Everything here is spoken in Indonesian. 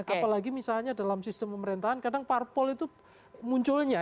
apalagi misalnya dalam sistem pemerintahan kadang parpol itu munculnya